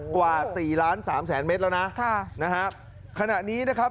กว่าสี่ล้านสามแสนเมตรแล้วนะค่ะนะฮะขณะนี้นะครับ